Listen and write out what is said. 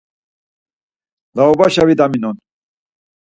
Laubaşa vidaminon.